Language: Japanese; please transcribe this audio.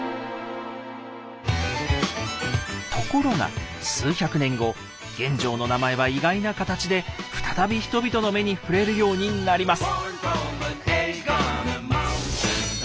ところが数百年後玄奘の名前は意外な形で再び人々の目に触れるようになります。